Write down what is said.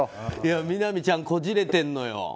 みなみちゃん、こじれてるのよ。